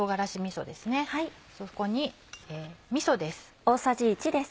そこにみそです。